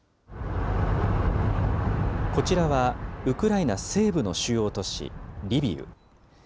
こちらはウクライナ西部の主要都市リビウ。